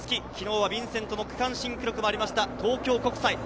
昨日はヴィンセントの区間新記録もありました、東京国際。